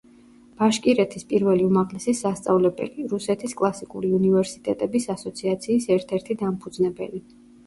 ბაშკირეთის პირველი უმაღლესი სასწავლებელი, რუსეთის კლასიკური უნივერსიტეტების ასოციაციის ერთ-ერთი დამფუძნებელი.